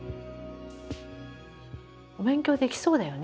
お勉強できそうだよね。